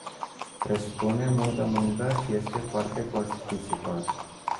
Presupune multă muncă și este foarte costisitor.